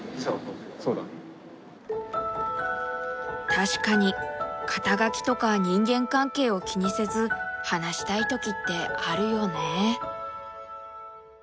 確かに肩書とか人間関係を気にせず話したい時ってあるよね。